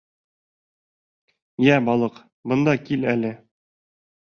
— Йә, балыҡ, бында кил әле!